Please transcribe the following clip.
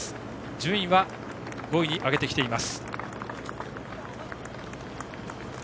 順位は５位に上げてきています。